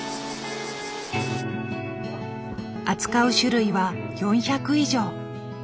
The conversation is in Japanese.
扱う種類は４００以上。